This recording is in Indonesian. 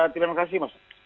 terima kasih mas